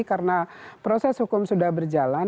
karena proses hukum sudah berjalan